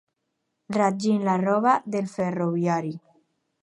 Ratllin la roba del ferroviari.